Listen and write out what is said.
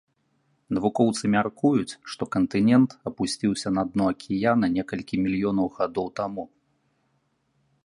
Навукоўцы мяркуюць, што кантынент апусціўся на дно акіяна некалькі мільёнаў гадоў таму.